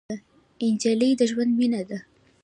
نجلۍ د ژوند مینه ده.